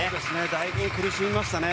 だいぶ苦しみましたね。